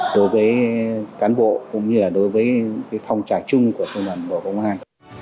đối với cán bộ cũng như là đối với phòng trải chung của công đoàn bộ công an